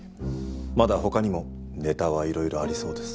まだ他にもネタはいろいろありそうです。